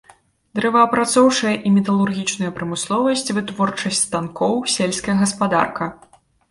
Дрэваапрацоўчая і металургічная прамысловасць, вытворчасць станкоў, сельская гаспадарка.